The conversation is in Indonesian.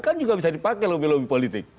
kan juga bisa dipakai lebih lebih politik